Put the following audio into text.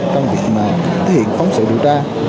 trong việc mà thể hiện phóng sự điều tra